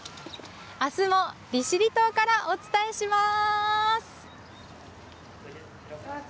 あすも利尻島からお伝えします。